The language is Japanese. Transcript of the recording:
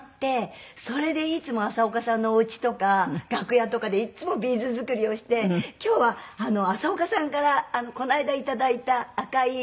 それでいつも浅丘さんのお家とか楽屋とかでいっつもビーズ作りをして今日は浅丘さんからこの間いただいた赤いビーズの。